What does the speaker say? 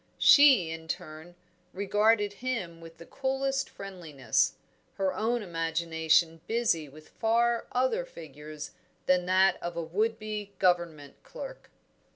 She, in turn, regarded him with the coolest friendliness, her own imagination busy with far other figures than that of a would be Government clerk.